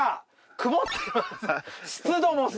曇ってます。